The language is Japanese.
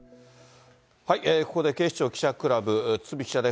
ここで警視庁記者クラブ、堤記者です。